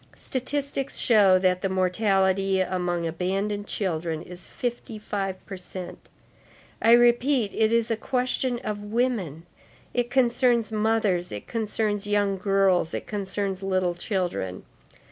Statistics show that the mortality among abandoned children is fifty five per cent. I repeat, it is a question of women, it concerns mothers, it concerns young girls, it concerns little children.